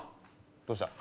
どうした？